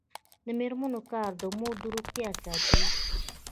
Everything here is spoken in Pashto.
د میرمنو کار د مور روغتیا ساتي.